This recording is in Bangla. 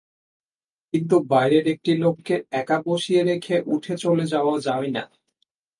কিন্তু বাইরের একটি লোককে একা বসিয়ে রেখে উঠে চলে যাওয়া যায় না।